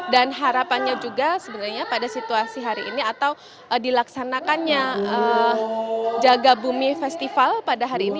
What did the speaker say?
dan harapannya juga sebenarnya pada situasi hari ini atau dilaksanakannya jaga bumi festival pada hari ini